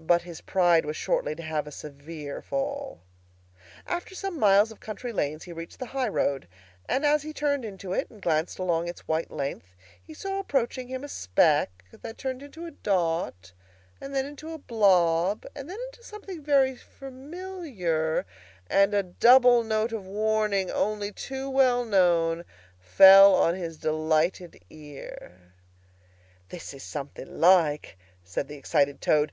But his pride was shortly to have a severe fall. After some miles of country lanes he reached the high road, and as he turned into it and glanced along its white length, he saw approaching him a speck that turned into a dot and then into a blob, and then into something very familiar; and a double note of warning, only too well known, fell on his delighted ear. "This is something like!" said the excited Toad.